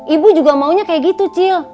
ibu juga maunya kayak gitu cil